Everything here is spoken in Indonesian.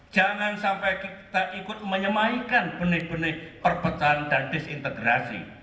jangan sampai kita ikut menyemaikan benih benih perpecahan dan disintegrasi